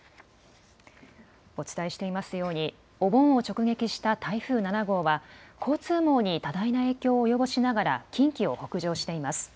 お伝えしていますようにお盆を直撃した台風７号は交通網に多大な影響を及ぼしながら近畿を北上しています。